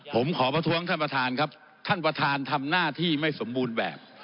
ผมขอประท้วงท่านประธานครับท่านประธานทำหน้าที่ไม่สมบูรณ์แบบ